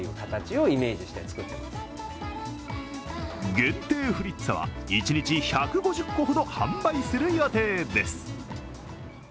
限定フリッツァは一日１５０個ほど販売する予定です。